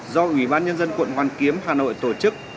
do ủy ban nhân dân quận hoàn kiếm hà nội tổ chức